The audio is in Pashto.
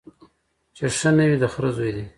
چي ښه نه وي د خره زوی دی